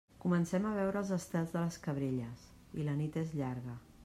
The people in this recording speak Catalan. Comencem a veure els estels de les Cabrelles i la nit és llarga.